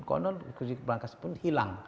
konon kunci keberangkas pun hilang